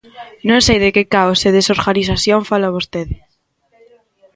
Non sei de que caos e desorganización fala vostede.